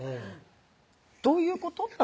「どういうこと？」